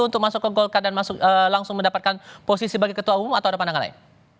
untuk masuk ke golkar dan langsung mendapatkan posisi sebagai ketua umum atau ada pandangan lain